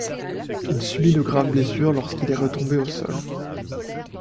Il subit de graves blessures lorsqu'il est retombé au sol.